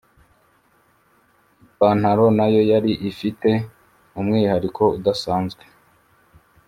Ipantaro nayo yari ifite umwihariko udasanzwe